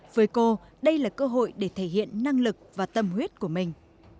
với cô đây là cơ hội để thể hiện năng lực và tâm huyết của mình